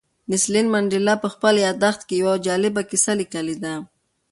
نیلسن منډېلا په خپل یاداښت کې یوه جالبه کیسه لیکلې ده.